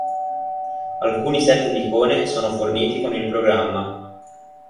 Alcuni set di icone sono forniti con il programma.